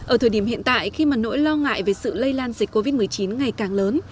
ở thời điểm hiện tại khi mà nỗi lo ngại về sự lây lan dịch covid một mươi chín ngày càng lớn